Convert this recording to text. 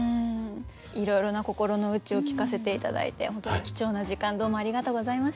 いろいろな心の内を聞かせて頂いて本当に貴重な時間どうもありがとうございました。